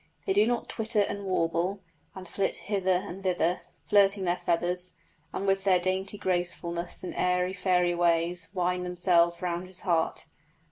They do not twitter and warble, and flit hither and thither, flirting their feathers, and with their dainty gracefulness and airy, fairy ways wind themselves round his heart.